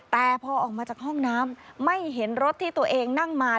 แต่พอออกมาจากห้องน้ำไม่เห็นรถที่ตัวเองนั่งมา